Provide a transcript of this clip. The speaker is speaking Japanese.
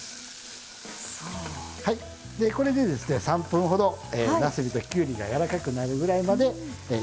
３分ほどなすびときゅうりが柔らかくなるぐらいまで炒めていきます。